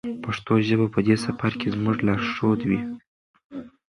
پښتو ژبه به په دې سفر کې زموږ لارښود وي.